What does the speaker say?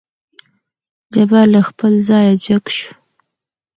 جبار له خپل ځايه جګ شو.